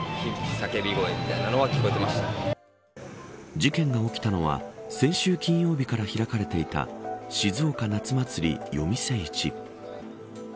事件が起きたのは先週金曜日から開かれていた静岡夏祭り夜店市。